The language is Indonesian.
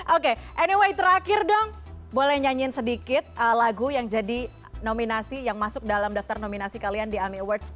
oke anyway terakhir dong boleh nyanyiin sedikit lagu yang jadi nominasi yang masuk dalam daftar nominasi kalian di ami awards